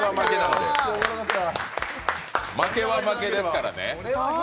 負けは負けですからね。